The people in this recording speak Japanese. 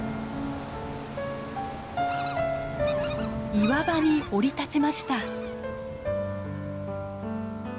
岩場に降り立ちました。